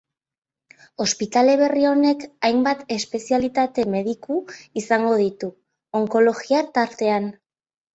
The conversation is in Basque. Ospitale berri honek hainbat espezialitate mediko izango ditu, onkologia tartean.